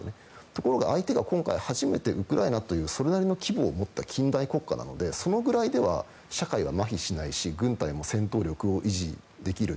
ところが今回、相手が初めてウクライナというそれなりの規模を持った近代国家なので、そのぐらいでは社会はまひしないし軍隊は戦力を維持できる。